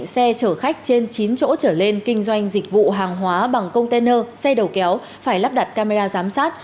xe chở khách trên chín chỗ trở lên kinh doanh dịch vụ hàng hóa bằng container xe đầu kéo phải lắp đặt camera giám sát